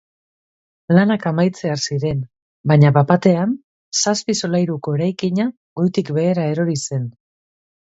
Lanak amaitzear ziren baina bapatean zazpi solairuko eraikina goitik behera erori zen.